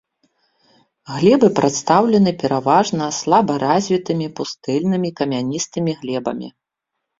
Глебы прадстаўлены, пераважна, слабаразвітымі пустэльнымі камяністымі глебамі.